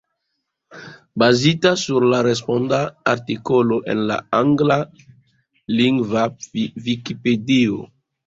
Bazita sur la responda artikolo en la anglalingva Vikipedio.